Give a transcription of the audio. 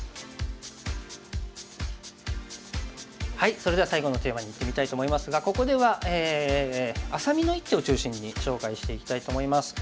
それでは最後のテーマにいってみたいと思いますがここではあさみの一手を中心に紹介していきたいと思います。